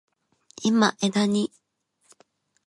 今、技に…。